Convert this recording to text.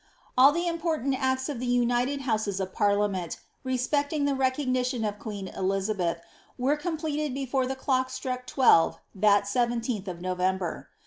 All the important acts of the united houses of parliament respecting the recognition of queen Elizabeth, were completed before tiie clock struck twelve, that 17th of November.